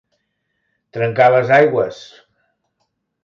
Trencar les aigües.